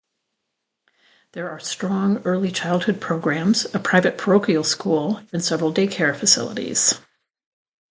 There are strong early childhood programs, a private parochial school and several day-care facilities.